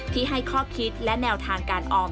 ที่ให้ข้อคิดและแนวทางการออม